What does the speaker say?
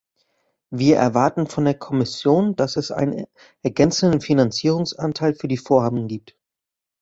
Wir erwarten von der Kommission, dass es einen ergänzenden Finanzierungsanteil für die Vorhaben gibt.